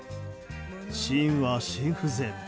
死因は心不全。